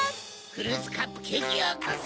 フルーツカップケーキよこせ！